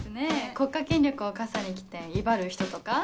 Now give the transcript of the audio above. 国家権力を笠に着て威張る人とか。